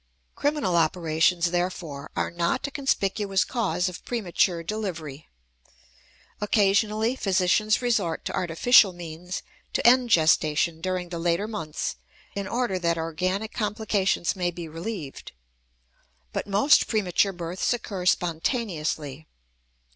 Criminal operations, therefore, are not a conspicuous cause of premature delivery. Occasionally physicians resort to artificial means to end gestation during the later months in order that organic complications may be relieved; but most premature births occur spontaneously.